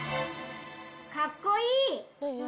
かっこいい！